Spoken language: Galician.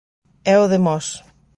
É o de Mos.